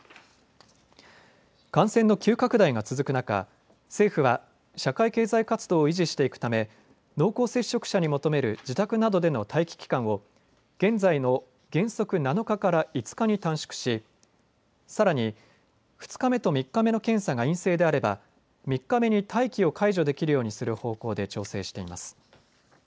感染の急拡大が続く中、政府は社会経済活動を維持していくため濃厚接触者に求める自宅などでの待機期間を現在の原則７日から５日に短縮しさらに２日目と３日目の検査が陰性であれば３日目に待機を解除できるようにする方向で調整しています。